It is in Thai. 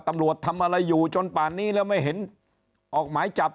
ตำรวจทำอะไรอยู่จนป่านนี้แล้วไม่เห็นออกหมายจับ